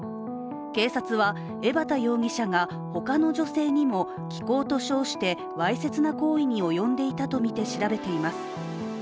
警察は、江畑容疑者が他の女性にも、気功と称してわいせつな行為に及んでいたとみて調べています。